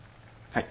はい。